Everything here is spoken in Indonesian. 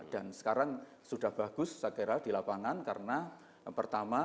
dan sekarang sudah bagus saya kira di lapangan karena pertama